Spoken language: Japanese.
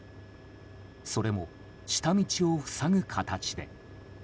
それも下道を塞ぐ形で。